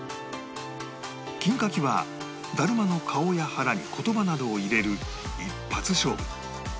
金かきはだるまの顔や腹に言葉などを入れる一発勝負